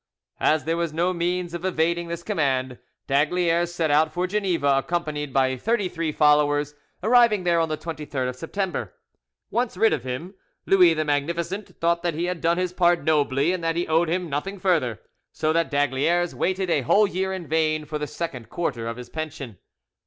As there was no means of evading this command, D'Aygaliers set out for Geneva, accompanied by thirty three followers, arriving there on the 23rd of September. Once rid of him, Louis the Magnificent thought that he had done his part nobly and that he owed him nothing further, so that d'Aygaliers waited a whole year in vain for the second quarter of his pension.